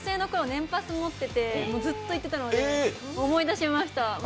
年パス持っててずっと行ってたので思い出しました。